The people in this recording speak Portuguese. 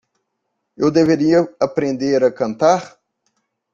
Eu deveria aprender a cantar?